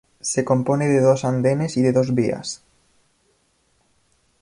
Se compone de dos andenes y de dos vías.